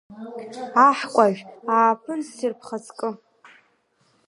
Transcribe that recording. Аҳкәажә, Ааԥын-ссир бхаҵкы!